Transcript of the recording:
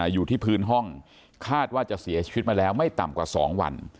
อยู่ที่พื้นห้องคาดว่าจะเสียชีวิตมาแล้วไม่ต่ำกว่า๒วัน